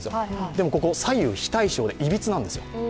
でもここ左右非対称でいびつなんですよ。